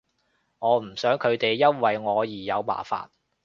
我唔想佢哋因為我而有麻煩